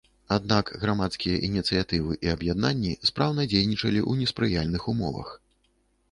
Аднак, грамадскія ініцыятывы і аб'яднанні спраўна дзейнічалі ў неспрыяльных умовах.